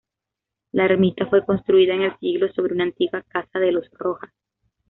La ermita fue construida en el siglo sobre una antigua casa de los Rojas.